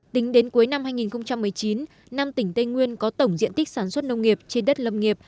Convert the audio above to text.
tính đến cuối năm hai nghìn một mươi chín năm tỉnh tây nguyên có tổng diện tích sản xuất nông nghiệp trên đất lâm nghiệp